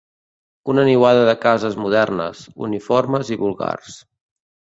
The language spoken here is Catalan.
Una niuada de cases modernes, uniformes i vulgars